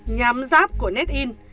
nhám giáp của nét in